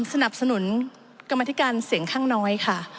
สนับสนุนกรรมธิการเสียงข้างน้อยค่ะ